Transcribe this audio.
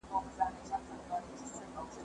زه چپنه نه پاکوم!!